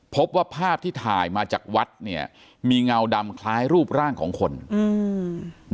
พบว่าภาพที่ถ่ายมาจากวัดเนี่ยมีเงาดำคล้ายรูปร่างของคนอืม